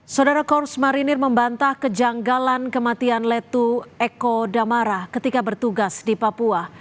saudara korps marinir membantah kejanggalan kematian letu eko damara ketika bertugas di papua